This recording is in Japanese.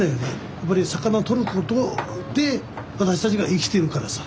やっぱり魚を取ることで私たちが生きてるからさ。